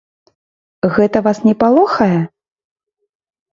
Гэта вас не палохае?